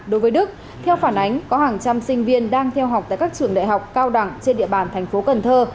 đối với đức theo phản ánh có hàng trăm sinh viên đang theo học tại các trường đại học cao đẳng trên địa bàn thành phố cần thơ